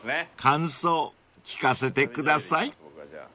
［感想聞かせてください］